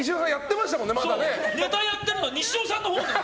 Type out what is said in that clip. ネタやってるの西尾さんのほうなの。